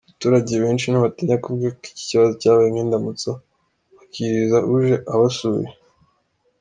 Abaturage benshi ntibatinya kuvuga ko iki kibazo cyabaye nk’indamutso bakiriza uje abasuye.